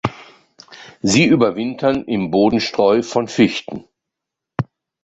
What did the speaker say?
Sie überwintern im Bodenstreu von Fichten.